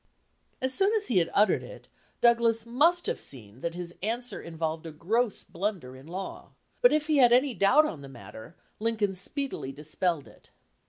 As soon as he had uttered it, Douglas must have seen that his answer involved a gross blunder in law; but if he had any doubt on the matter, 277 LINCOLN THE LAWYER Lincoln speedily dispelled it.